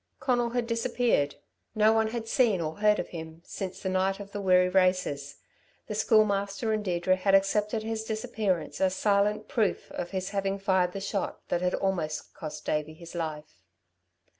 Conal had disappeared. No one had seen or heard of him since the night of the Wirree races. The Schoolmaster and Deirdre had accepted his disappearance as silent proof of his having fired the shot that had almost cost Davey his life.